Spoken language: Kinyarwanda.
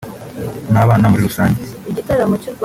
n’abana muri rusange